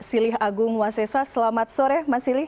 silih agung wasesa selamat sore mas silih